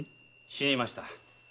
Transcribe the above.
死にました。